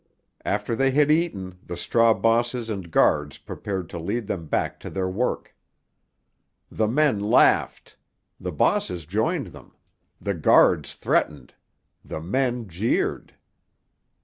After they had eaten, the straw bosses and guards prepared to lead them back to their work. The men laughed. The bosses joined them. The guards threatened. The men jeered.